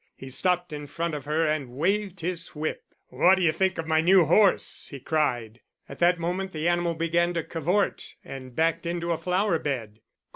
He stopped in front of her and waved his whip. "What d'you think of my new horse?" he cried. At that moment the animal began to cavort, and backed into a flower bed.